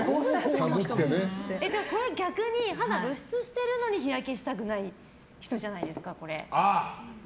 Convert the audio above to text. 逆に肌を露出してるのに日焼けしたくないっていう人じゃないですか、これ。